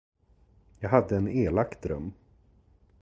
Jag hade en elak dröm.